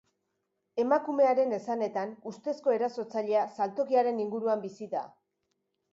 Emakumearen esanetan, ustezko erasotzailea saltokiaren inguruan bizi da.